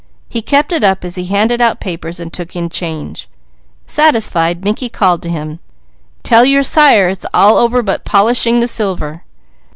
He kept it up as he handed out papers and took in change. Satisfied, Mickey called to him: "Tell your sire it's all over but polishing the silver."